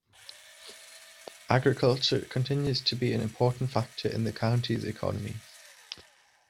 Agriculture continues to be an important factor in the county's economy.